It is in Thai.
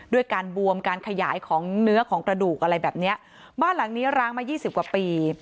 ด้วยการบวมการขยายของเนื้อของกระดูกอะไรแบบเนี้ยบ้านหลังนี้ร้างมายี่สิบกว่าปี